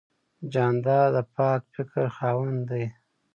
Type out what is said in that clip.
جانداد د پاک فکر خاوند دی.